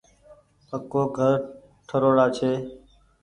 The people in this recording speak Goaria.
پڪو گھر ٺروڙآ ڇي۔